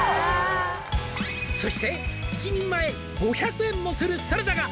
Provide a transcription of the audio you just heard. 「そして一人前５００円もするサラダが」